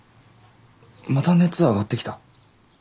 また熱上がってきた？